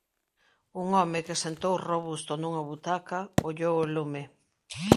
Un home que sentou robusto nunha butaca, ollou o lume...